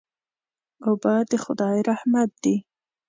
اوبه د خدای رحمت دی.